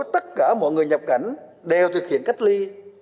tất cả mọi người nhập cảnh đều thực hiện cách ly